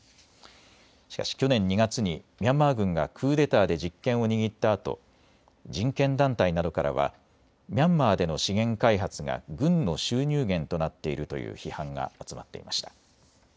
しかし去年２月にミャンマー軍がクーデターで実権を握ったあと人権団体などからはミャンマーでの資源開発が軍の収入源となっているという批判が集まっていました。